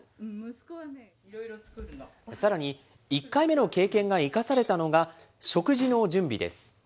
さらに、１回目の経験が生かされたのが、食事の準備です。